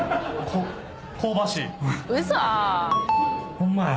ホンマや。